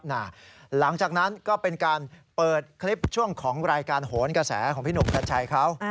หลังจากนั้นก็เป็นการเปิดคลิปช่วงของรายการโหนกระแสของพี่หนุ่มกัญชัยเขา